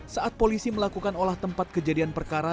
saat polisi melakukan olah tempat kejadian perkara